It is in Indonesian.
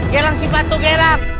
gerang si patung gerang